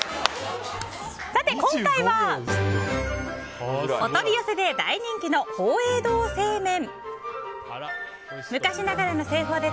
今回は、お取り寄せで大人気の邦栄堂製麺。